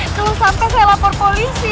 terus sampai saya lapor polisi